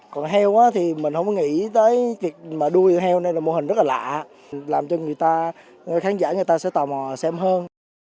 còn heo thì mình không có nghĩ tới việc mà đuôi heo nên là mô hình rất là lạ làm cho người ta khán giả người ta sẽ tò mò xem hơn